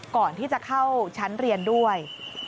ก่อนที่จะเข้าชั้นเรียนด้วย